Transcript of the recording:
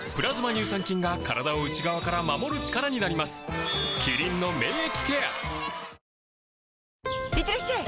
乳酸菌が体を内側から守る力になりますいってらっしゃい！